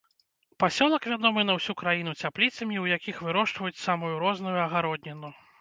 Пасёлак вядомы на ўсю краіну цяпліцамі, у якіх вырошчваюць самую розную агародніну.